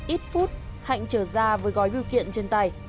ít phút hạnh trở ra với gói bưu kiện trên tay